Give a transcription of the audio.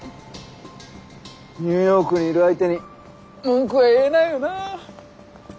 ニューヨークにいる相手に文句は言えないよな。